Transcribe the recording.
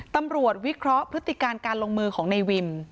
วิเคราะห์พฤติการการลงมือของในวิม